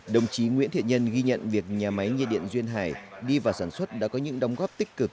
đồng chí nguyễn thiện nhân ghi nhận việc nhà máy nhiệt điện duyên hải đi vào sản xuất đã có những đóng góp tích cực